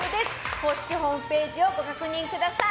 公式ホームページをご確認ください。